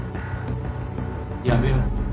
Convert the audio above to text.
やめよう。